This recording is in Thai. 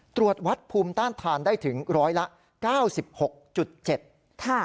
ตรวจวัดภูมิต้านทานได้ถึงร้อยละ๙๖๗ค่ะ